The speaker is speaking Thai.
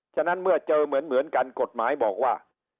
ฉะนั้นเมื่อเจอเหมือนกันกฎหมายบอกว่า